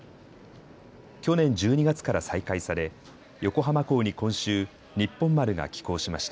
去年１２月から再開され横浜港に今週、にっぽん丸が帰港しました。